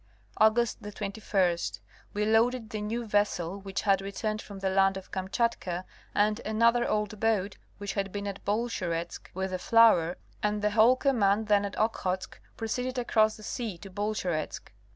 August 21, we loaded the new vessel which had returned from the land of Kamchatka, and another old boat which had been at Bolsheretsk, with the flour, and the whole command then at Okhotsk proceeded across the sea to Bolsheretsk.